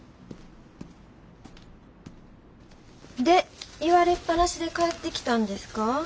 で言われっぱなしで帰ってきたんですか。